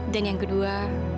dan yang kedua